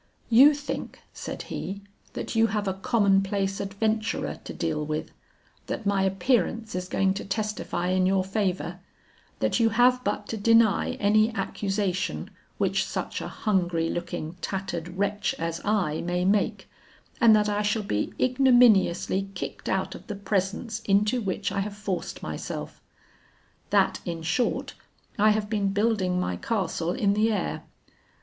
'You think,' said he, 'that you have a common place adventurer to deal with; that my appearance is going to testify in your favor; that you have but to deny any accusation which such a hungry looking, tattered wretch as I, may make, and that I shall be ignominiously kicked out of the presence into which I have forced myself; that in short I have been building my castle in the air.